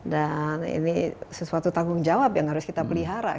dan ini sesuatu tanggung jawab yang harus kita pelihara